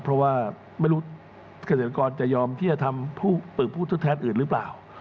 เพราะว่าไม่รู้เกษตรกรจะยอมที่จะทำผู้ปลูกผู้ทดแทนอื่นหรือเปล่า